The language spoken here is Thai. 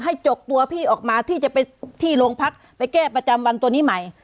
จกตัวพี่ออกมาที่จะไปที่โรงพักไปแก้ประจำวันตัวนี้ใหม่